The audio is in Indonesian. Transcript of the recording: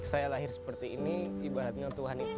saya lahir seperti ini ibaratnya tuhan itu